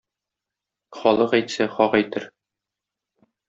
Халык әйтсә хак әйтер.